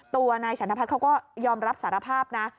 ตัวนายฉันทพัฒน์เขาก็ยอมรับสารภาพนะ